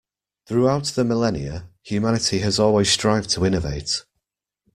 Throughout the millenia, humanity has always strived to innovate.